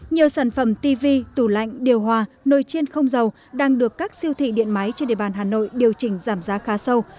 nhiều sản phẩm tv tủ lạnh điều hòa nồi chiên không dầu đang được các siêu thị điện máy trên địa bàn hà nội điều chỉnh giảm giá khá sâu